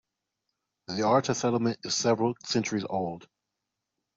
The Arta settlement is several centuries old.